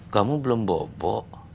kamu belum bobo